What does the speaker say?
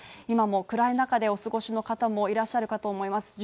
今も暗い中でお過ごしの方もいらっしゃるかと思います